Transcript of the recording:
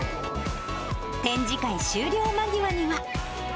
展示会終了間際には。